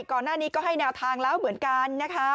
ก่อนหน้านี้ก็ให้แนวทางแล้วเหมือนกันนะคะ